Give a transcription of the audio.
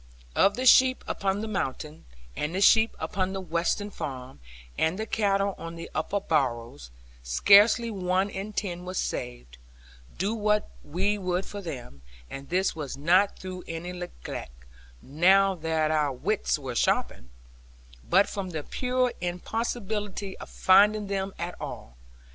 Of the sheep upon the mountain, and the sheep upon the western farm, and the cattle on the upper barrows, scarcely one in ten was saved; do what we would for them, and this was not through any neglect (now that our wits were sharpened), but from the pure impossibility of finding them at all.